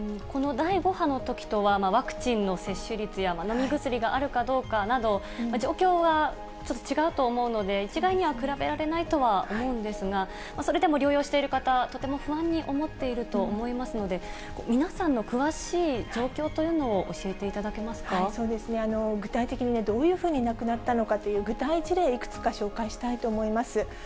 この第５波のときとはワクチンの接種率や飲み薬があるかどうかなど、状況はちょっと違うと思うので、一概には比べられないとは思うんですが、それでも療養している方、とても不安に思っていると思いますので、皆さんの詳しい状況とい具体的にね、どういうふうに亡くなったのかという具体事例をいくつか紹介したいと思います。